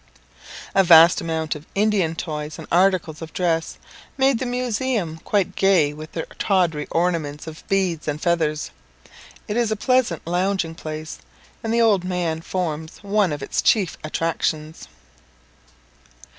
A vast amount of Indian toys, and articles of dress, made the museum quite gay with their tawdry ornaments of beads and feathers. It is a pleasant lounging place, and the old man forms one of its chief attractions.